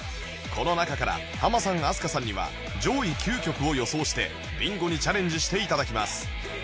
この中からハマさん飛鳥さんには上位９曲を予想してビンゴにチャレンジして頂きます